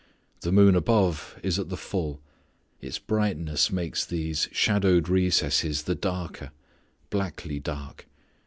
The moon above is at the full. Its brightness makes these shadowed recesses the darker; blackly dark.